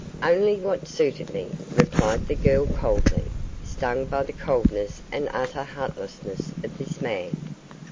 'Only what suited me,' replied the girl, coldly, stung by the coldness and utter heartlessness of this man.